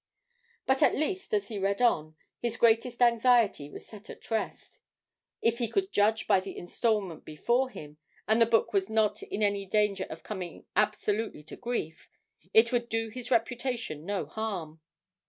But at least, as he read on, his greatest anxiety was set at rest if he could judge by the instalment before him, and the book was not in any danger of coming absolutely to grief it would do his reputation no harm.